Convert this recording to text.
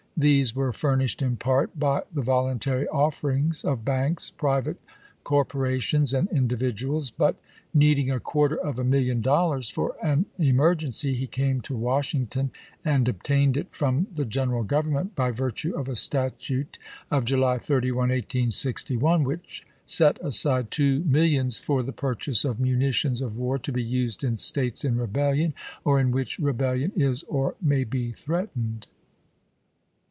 These were furnished in part by the volun tary offerings of banks, private corporations, and individuals; but, needing a quarter of a million dollars for an emergency, he came to Washington, and obtained it from the General Government, by virtue of a statute of July 31, 1861, which set aside two millions for the purchase of munitions of war to be used in States in rebellion or "in which rebellion is or may be threatened."